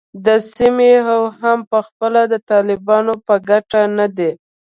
د سیمې او هم پخپله د طالبانو په ګټه نه دی